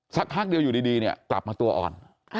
สักพักเดียวอยู่ดีเนี่ยกลับมาตัวอ่อน